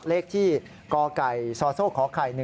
เลขที่กซข๑๒๐๖